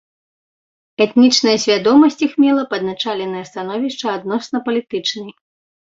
Этнічная свядомасць іх мела падначаленае становішча адносна палітычнай.